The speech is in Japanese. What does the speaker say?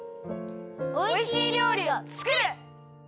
おいしいりょうりをつくる！